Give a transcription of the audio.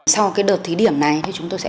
sau cái đợt thí điểm này thì chúng tôi sẽ